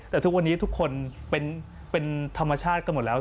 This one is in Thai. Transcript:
แต่ทุกวันนี้ทุกคนเป็นธรรมชาติกันหมดแล้ว